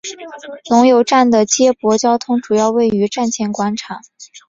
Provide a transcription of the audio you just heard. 龙游站的接驳交通主要位于站前广场。